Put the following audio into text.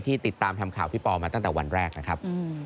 ติดตามทำข่าวพี่ปอมาตั้งแต่วันแรกนะครับ